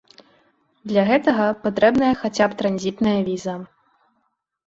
Для гэтага патрэбная хаця б транзітная віза.